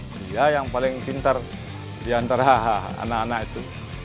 dia yang paling pintar di antara hh anak anak itu